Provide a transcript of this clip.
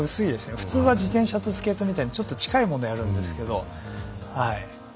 普通は自転車とスケートみたいに近いものをやるんですけど。